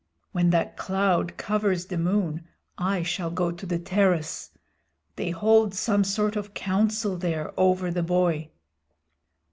When that cloud covers the moon I shall go to the terrace. They hold some sort of council there over the boy."